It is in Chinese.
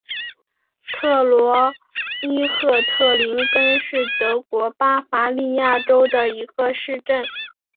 特罗伊赫特林根是德国巴伐利亚州的一个市镇。